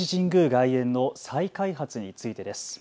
外苑の再開発についてです。